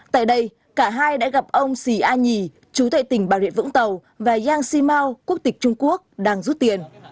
tại đây cả hai đã gặp ông sì a nhì chú tại tỉnh bà rịa vũng tàu và yang si mao quốc tịch trung quốc đang rút tiền